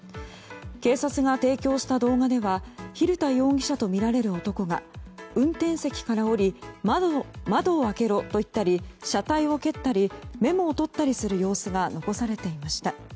警察が提供した動画では蛭田容疑者とみられる男が運転席から降り窓を開けろと言ったり車体を蹴ったりメモを取ったりする様子が残されていました。